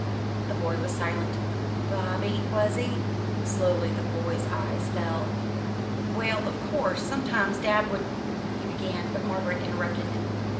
The boy was silent. "Bobby, was he?" Slowly the boy's eyes fell. "Well, of course, sometimes dad would" he began; but Margaret interrupted him.